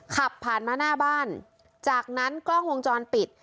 ขับผ่านมาหน้าบ้านจากนั้นกล้องวงจรปิด